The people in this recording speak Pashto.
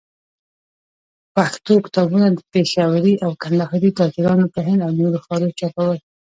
پښتو کتابونه، پېښوري او کندهاري تاجرانو په هند او نورو ښارو چاپول.